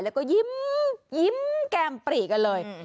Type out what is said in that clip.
แล้วก็ยิ้มแก้มปรีกันเลย